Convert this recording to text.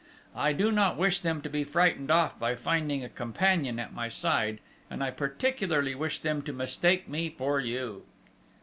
I do not wish them to be frightened off by finding a companion at my side, and I particularly wish them to mistake me for you...."